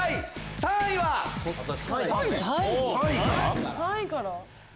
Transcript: ３位から？